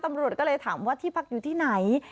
ตำรวจก็เลยถามว่าที่พักอยู่ที่ไหน